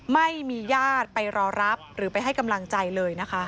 ไม่มีญาติไปรอรับหรือไปให้กำลังใจเลยนะคะ